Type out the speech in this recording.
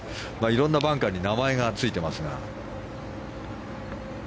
いろんなバンカーに名前がついてますが。